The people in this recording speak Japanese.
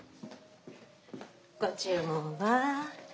ご注文は？